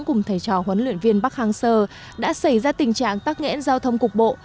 cùng thầy trò huấn luyện viên bắc hàng sơ đã xảy ra tình trạng tắc nghẽn giao thông cục bộ